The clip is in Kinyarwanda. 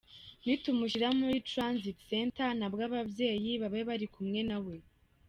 Nitumushyira muri transit center na bwo ababyeyi babe bari kumwe nawe.